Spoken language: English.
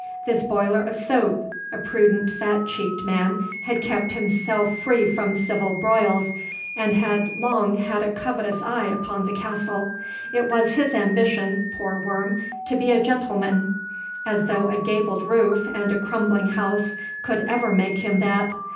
This boiler of soap, a prudent, fat cheeked man, had kept himself free from civil broils, and had long had a covetous eye upon the castle. It was his ambition, poor worm, to be a gentleman, as though a gabled roof and a crumbling house could ever make him that.